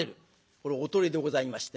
これおとりでございましてね。